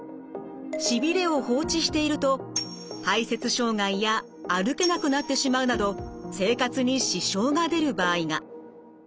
しびれを放置していると排せつ障害や歩けなくなってしまうなど生活に支障が出る場合が。